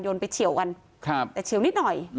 ไปเฉียวกันแต่เฉียวนิดหน่อย